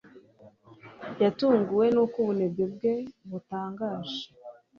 Yatunguwe nuko ubunebwe bwe butangaje.